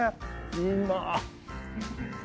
うまっ！